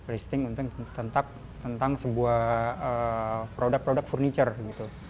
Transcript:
listing tentang sebuah produk produk furniture gitu